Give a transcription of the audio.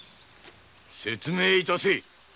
説明いたせ！